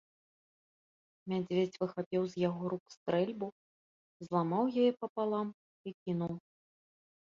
Мядзведзь выхапіў з яго рук стрэльбу, зламаў яе папалам і кінуў.